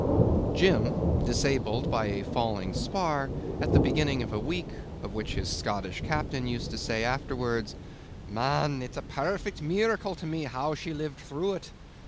Jim, disabled by a falling spar at the beginning of a week of which his Scottish captain used to say afterwards, 'Man! it's a pairfect meeracle to me how she lived through it!